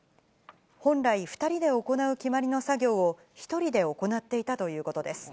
本来、２人で行う決まりの作業を１人で行っていたということです。